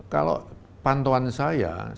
kalau pantauan saya